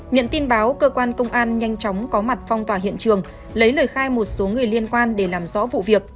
nhận tin báo cơ quan công an nhanh chóng có mặt phong tỏa hiện trường lấy lời khai một số người liên quan để làm rõ vụ việc